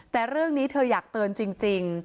แต่เรื่องนี้เธออยากเตือนจริง